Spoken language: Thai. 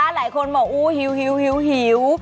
หลายคนบอกหิว